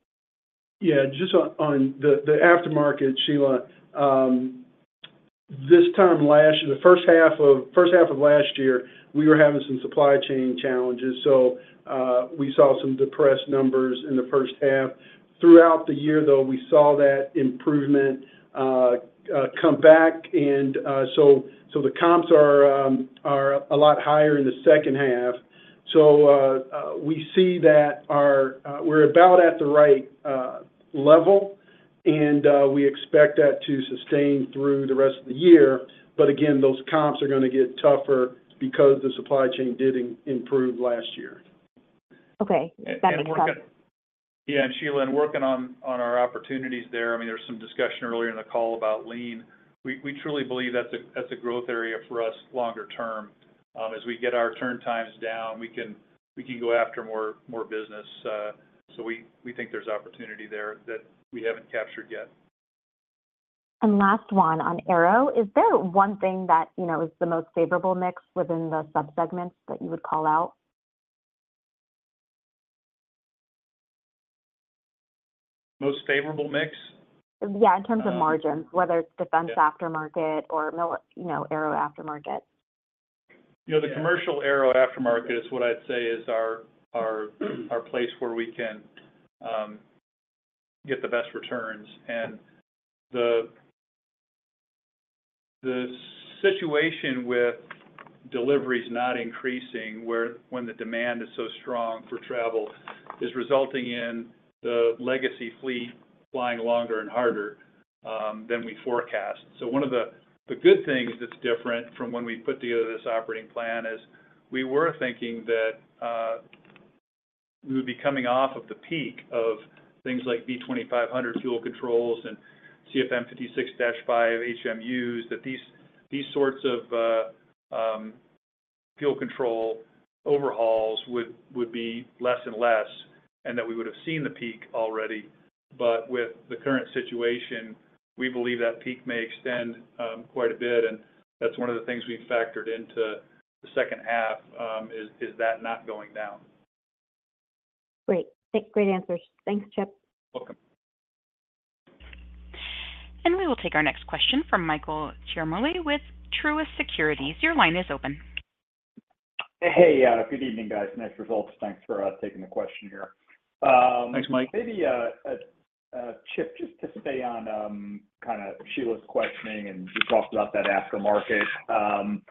Yeah. Just on the aftermarket, Sheila, this time last year, the first half of last year, we were having some supply chain challenges. So we saw some depressed numbers in the first half. Throughout the year, though, we saw that improvement come back. And so the comps are a lot higher in the second half. So we see that we're about at the right level, and we expect that to sustain through the rest of the year. But again, those comps are going to get tougher because the supply chain did improve last year. Okay. That makes sense. Yeah. And Sheila, and working on our opportunities there, I mean, there was some discussion earlier in the call about lean. We truly believe that's a growth area for us longer term. As we get our turn times down, we can go after more business. So we think there's opportunity there that we haven't captured yet. Last one on aero, is there one thing that is the most favorable mix within the subsegments that you would call out? Most favorable mix? Yeah. In terms of margins, whether it's defense aftermarket or aero aftermarket. The commercial aero aftermarket is what I'd say is our place where we can get the best returns. The situation with deliveries not increasing when the demand is so strong for travel is resulting in the legacy fleet flying longer and harder than we forecast. One of the good things that's different from when we put together this operating plan is we were thinking that we would be coming off of the peak of things like V2500 fuel controls and CFM56-5 HMUs, that these sorts of fuel control overhauls would be less and less and that we would have seen the peak already. With the current situation, we believe that peak may extend quite a bit. That's one of the things we factored into the second half, is that not going down. Great. Great answers. Thanks, Chip. Welcome. We will take our next question from Michael Ciarmoli with Truist Securities. Your line is open. Hey. Good evening, guys. Nice results. Thanks for taking the question here. Thanks, Mike. Maybe, Chip, just to stay on kind of Sheila's questioning and you talked about that aftermarket,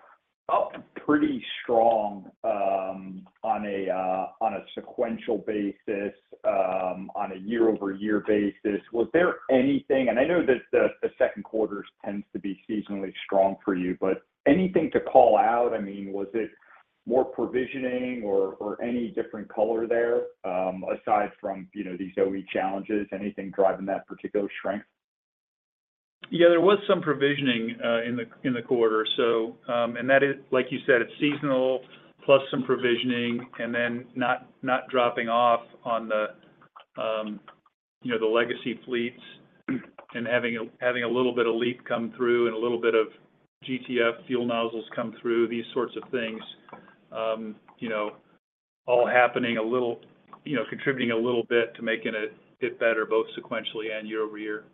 pretty strong on a sequential basis, on a year-over-year basis. Was there anything and I know that the second quarter tends to be seasonally strong for you, but anything to call out? I mean, was it more provisioning or any different color there aside from these OE challenges? Anything driving that particular strength? Yeah. There was some provisioning in the quarter. And like you said, it's seasonal plus some provisioning and then not dropping off on the legacy fleets and having a little bit of LEAP come through and a little bit of GTF fuel nozzles come through, these sorts of things all happening, contributing a little bit to making it better, both sequentially and year-over-year.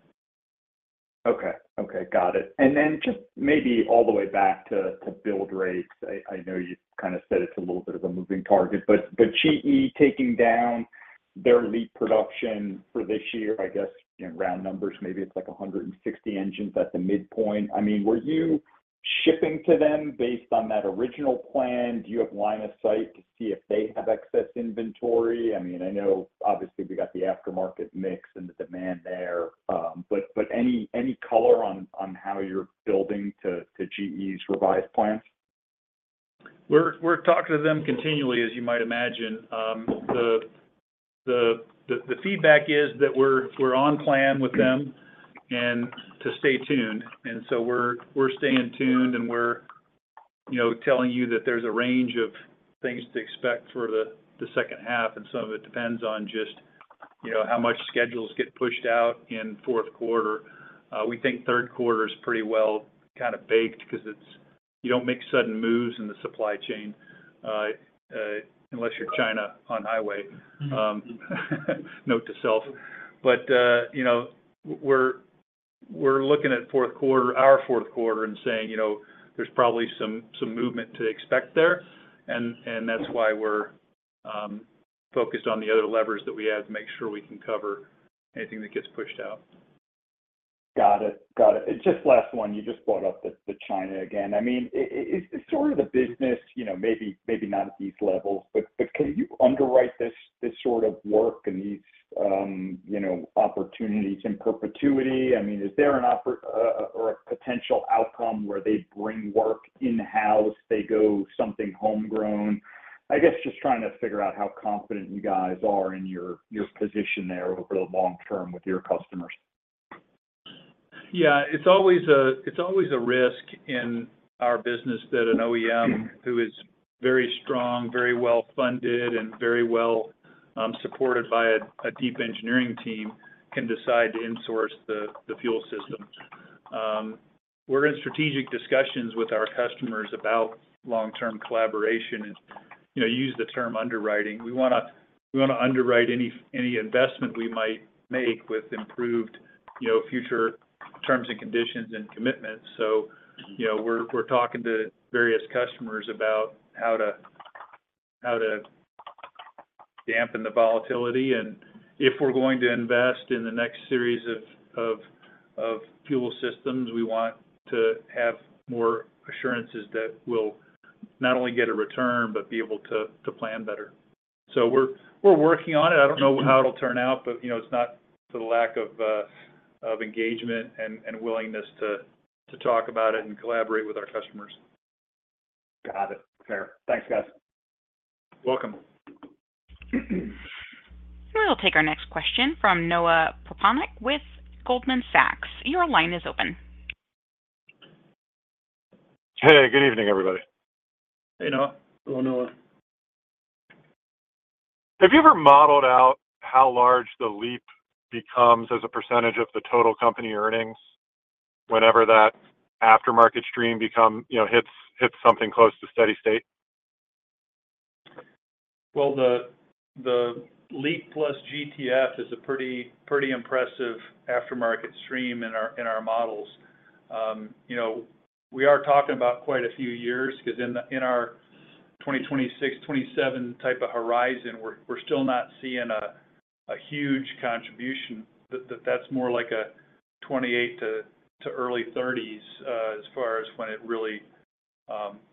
Okay. Okay. Got it. And then just maybe all the way back to build rates, I know you've kind of said it's a little bit of a moving target, but GE taking down their LEAP production for this year, I guess, round numbers, maybe it's like 160 engines at the midpoint. I mean, were you shipping to them based on that original plan? Do you have line of sight to see if they have excess inventory? I mean, I know obviously we got the aftermarket mix and the demand there, but any color on how you're building to GE's revised plans? We're talking to them continually, as you might imagine. The feedback is that we're on plan with them and to stay tuned. And so we're staying tuned, and we're telling you that there's a range of things to expect for the second half. And some of it depends on just how much schedules get pushed out in fourth quarter. We think third quarter is pretty well kind of baked because you don't make sudden moves in the supply chain unless you're China on highway. Note to self. But we're looking at our fourth quarter and saying there's probably some movement to expect there. And that's why we're focused on the other levers that we have to make sure we can cover anything that gets pushed out. Got it. Got it. Just last one. You just brought up China again. I mean, is this sort of the business maybe not at these levels, but can you underwrite this sort of work and these opportunities in perpetuity? I mean, is there a potential outcome where they bring work in-house? They go something homegrown? I guess just trying to figure out how confident you guys are in your position there over the long term with your customers. Yeah. It's always a risk in our business that an OEM who is very strong, very well-funded, and very well-supported by a deep engineering team can decide to insource the fuel system. We're in strategic discussions with our customers about long-term collaboration and use the term underwriting. We want to underwrite any investment we might make with improved future terms and conditions and commitments. So we're talking to various customers about how to dampen the volatility. And if we're going to invest in the next series of fuel systems, we want to have more assurances that we'll not only get a return but be able to plan better. So we're working on it. I don't know how it'll turn out, but it's not for the lack of engagement and willingness to talk about it and collaborate with our customers. Got it. Fair. Thanks, guys. Welcome. We will take our next question from Noah Poponak with Goldman Sachs. Your line is open. Hey. Good evening, everybody. Hey, Noah. Hello, Noah. Have you ever modeled out how large the LEAP becomes as a percentage of the total company earnings whenever that aftermarket stream hits something close to steady state? Well, the LEAP plus GTF is a pretty impressive aftermarket stream in our models. We are talking about quite a few years because in our 2026, 2027 type of horizon, we're still not seeing a huge contribution. That's more like a 2028 to early 2030s as far as when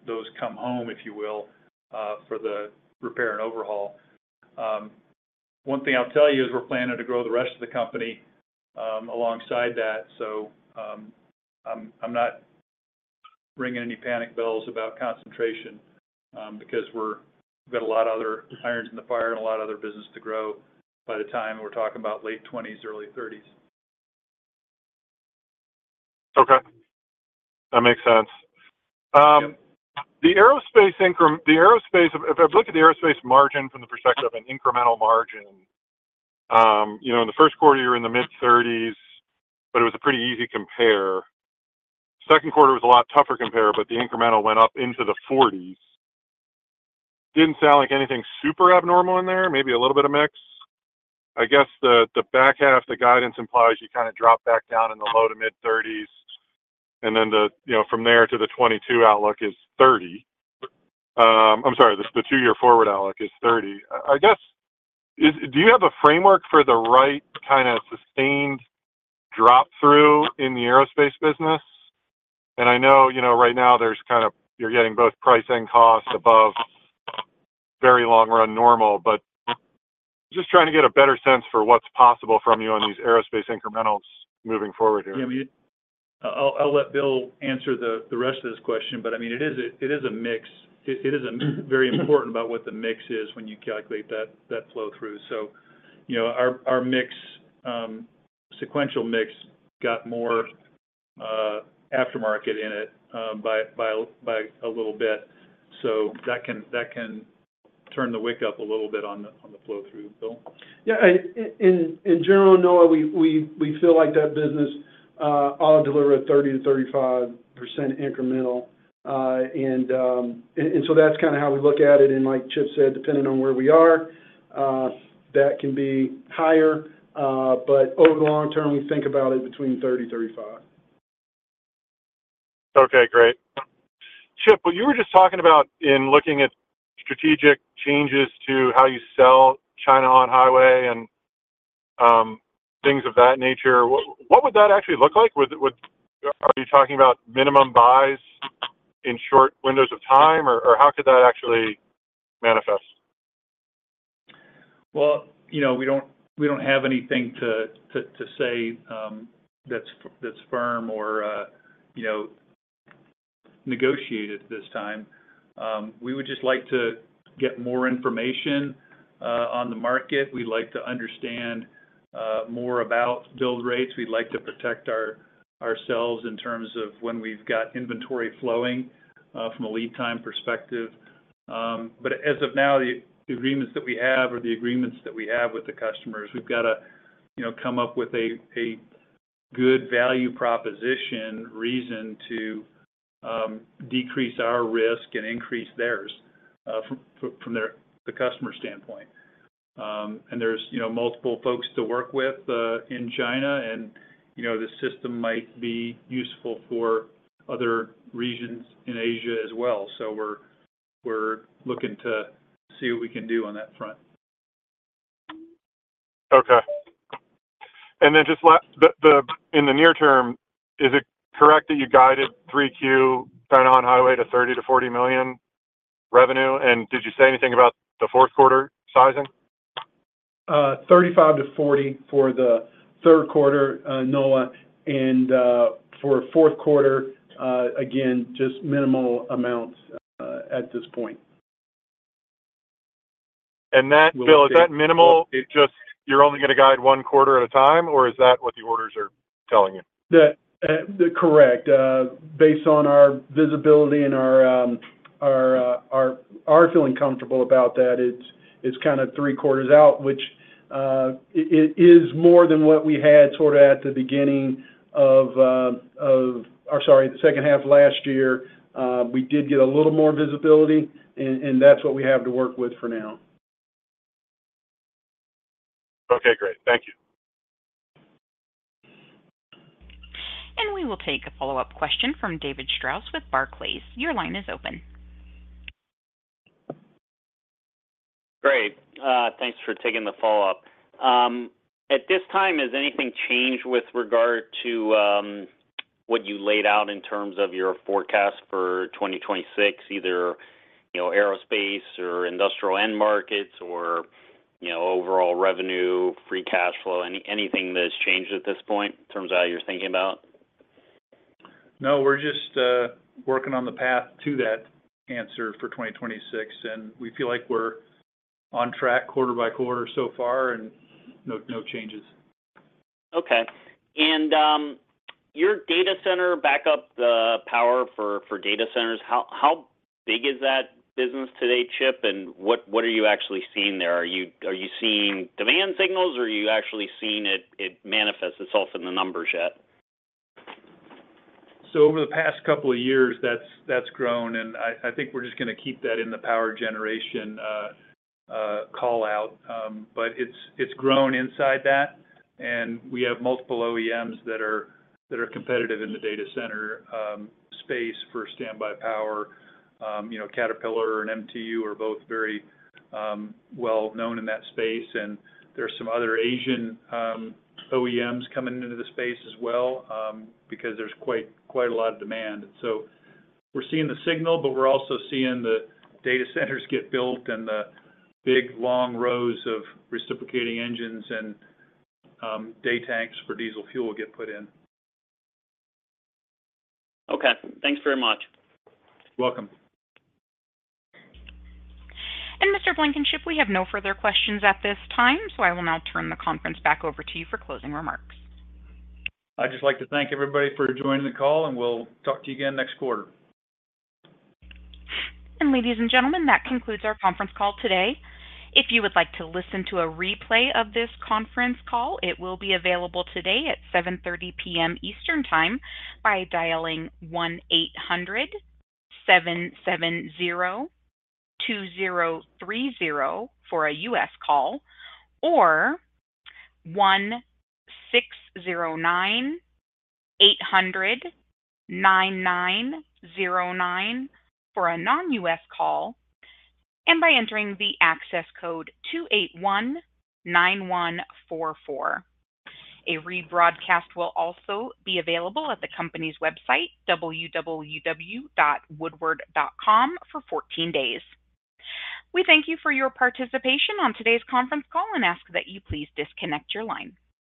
those come home, if you will, for the repair and overhaul. One thing I'll tell you is we're planning to grow the rest of the company alongside that. So I'm not ringing any panic bells about concentration because we've got a lot of other irons in the fire and a lot of other business to grow by the time we're talking about late 2020s, early 2030s. Okay. That makes sense. The aerospace increment if I look at the aerospace margin from the perspective of an incremental margin, in the first quarter, you were in the mid-30s%, but it was a pretty easy compare. Second quarter was a lot tougher to compare, but the incremental went up into the 40s%. Didn't sound like anything super abnormal in there, maybe a little bit of mix. I guess the back half, the guidance implies you kind of drop back down in the low- to mid-30s%. And then from there to the 2022 outlook is 30%. I'm sorry, the two-year forward outlook is 30%. Do you have a framework for the right kind of sustained drop-through in the aerospace business? I know right now, you're getting both price and cost above very long-run normal, but just trying to get a better sense for what's possible from you on these aerospace incrementals moving forward here. Yeah. I mean, I'll let Bill answer the rest of this question. But I mean, it is a mix. It is very important about what the mix is when you calculate that flow-through. So our sequential mix got more aftermarket in it by a little bit. So that can turn the wick up a little bit on the flow-through, Bill. Yeah. In general, Noah, we feel like that business, I'll deliver a 30%-35% incremental. And so that's kind of how we look at it. And like Chip said, depending on where we are, that can be higher. But over the long term, we think about it between 30-35. Okay. Great. Chip, what you were just talking about in looking at strategic changes to how you sell China on highway and things of that nature, what would that actually look like? Are you talking about minimum buys in short windows of time, or how could that actually manifest? Well, we don't have anything to say that's firm or negotiated this time. We would just like to get more information on the market. We'd like to understand more about build rates. We'd like to protect ourselves in terms of when we've got inventory flowing from a lead time perspective. But as of now, the agreements that we have or the agreements that we have with the customers, we've got to come up with a good value proposition reason to decrease our risk and increase theirs from the customer standpoint. There's multiple folks to work with in China, and this system might be useful for other regions in Asia as well. We're looking to see what we can do on that front. Okay. And then just in the near term, is it correct that you guided 3Q China on highway to $30 million-$40 million revenue? And did you say anything about the fourth quarter sizing? 35-40 for the third quarter, Noah. For fourth quarter, again, just minimal amounts at this point. Bill, is that minimal? You're only going to guide one quarter at a time, or is that what the orders are telling you? Correct. Based on our visibility and our feeling comfortable about that, it's kind of three quarters out, which is more than what we had sort of at the beginning of or sorry, the second half last year. We did get a little more visibility, and that's what we have to work with for now. Okay. Great. Thank you. We will take a follow-up question from David Strauss with Barclays. Your line is open. Great. Thanks for taking the follow-up. At this time, has anything changed with regard to what you laid out in terms of your forecast for 2026, either aerospace or industrial end markets or overall revenue, free cash flow, anything that has changed at this point in terms of how you're thinking about it? No. We're just working on the path to that answer for 2026. We feel like we're on track quarter by quarter so far and no changes. Okay. Your data center backup the power for data centers, how big is that business today, Chip? And what are you actually seeing there? Are you seeing demand signals, or are you actually seeing it manifest itself in the numbers yet? So over the past couple of years, that's grown. And I think we're just going to keep that in the power generation callout. But it's grown inside that. And we have multiple OEMs that are competitive in the data center space for standby power. Caterpillar and MTU are both very well known in that space. And there's some other Asian OEMs coming into the space as well because there's quite a lot of demand. And so we're seeing the signal, but we're also seeing the data centers get built and the big, long rows of reciprocating engines and day tanks for diesel fuel get put in. Okay. Thanks very much. Welcome. Mr. Blankenship, we have no further questions at this time, so I will now turn the conference back over to you for closing remarks. I'd just like to thank everybody for joining the call, and we'll talk to you again next quarter. Ladies and gentlemen, that concludes our conference call today. If you would like to listen to a replay of this conference call, it will be available today at 7:30 P.M. Eastern Time by dialing 1-800-770-2030 for a U.S. call or 1-609-800-9909 for a non-U.S. call and by entering the access code 2819144. A rebroadcast will also be available at the company's website, www.woodward.com, for 14 days. We thank you for your participation on today's conference call and ask that you please disconnect your line.